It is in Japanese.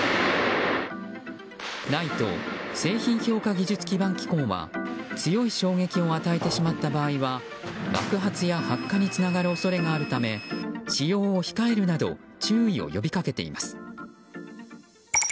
ＮＩＴＥ・製品評価技術基盤機構は強い衝撃を与えてしまった場合は爆発や発火につながる恐れがあるため使用を控えるなど注意を呼び掛けています。